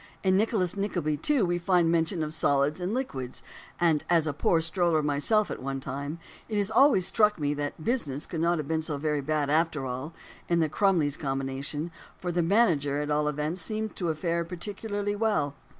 In Nicholas Nickleby, too, we find plenty of mention of solids and liquids; and as a poor stroller myself at one time, it has always struck me that "business" could not have been so very bad, after all, in the Crummles Combination; for the manager, at all events, seems to have fared particularly well.